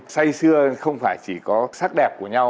say xưa không phải chỉ có sắc đẹp của nhau